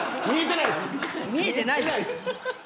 見えてないです。